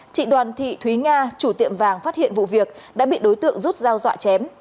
chị đoàn thị thúy nga chủ tiệm vàng phát hiện vụ việc đã bị đối tượng rút dao dọa chém